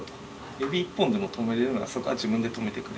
指一本でも止めれるならそこは自分で止めてくれと。